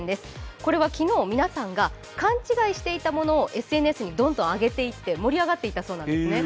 これは昨日、皆さんが勘違いしていたものをＳＮＳにドンと上げていって盛り上がって痛そうなんですね。